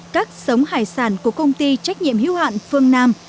các sống hải sản của công ty trách nhiệm hiếu hạn phương nam